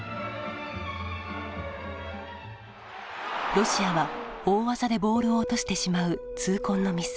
ロシアは大技でボールを落としてしまう痛恨のミス。